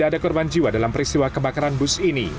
tidak ada korban jiwa dalam peristiwa kebakaran bus ini